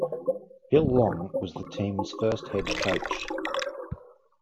Bill Long was the team's first head coach.